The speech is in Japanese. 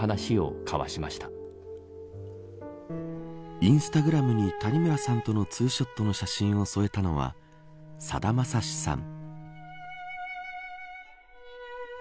インスタグラムに谷村さんとのツーショットの写真を添えたのはさだまさしさん。